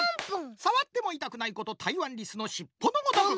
さわってもいたくないことたいわんリスのしっぽのごとく。